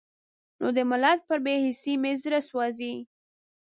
نو د ملت پر بې حسۍ مې زړه سوزي.